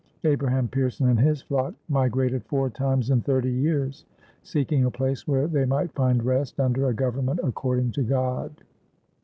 Abraham Pierson and his flock migrated four times in thirty years, seeking a place where they might find rest under a government according to God.